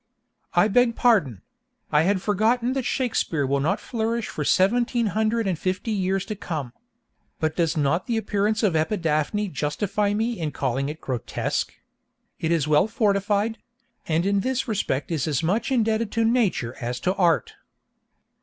— I beg pardon; I had forgotten that Shakespeare will not flourish for seventeen hundred and fifty years to come. But does not the appearance of Epidaphne justify me in calling it grotesque? "It is well fortified; and in this respect is as much indebted to nature as to art."